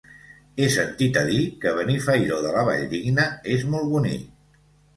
He sentit a dir que Benifairó de la Valldigna és molt bonic.